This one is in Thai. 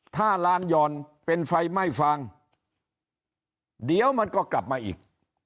ถ้าลานหย่อนเป็นไฟไหม้ฟางเดี๋ยวมันก็กลับมาอีก